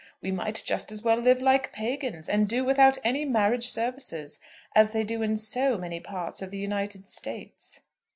We might just as well live like pagans, and do without any marriage services, as they do in so many parts of the United States."